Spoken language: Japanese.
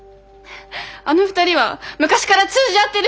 あの２人は昔から通じ合ってる。